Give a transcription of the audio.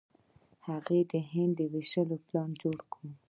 هغه د هند د ویشلو پلان جوړ کړ.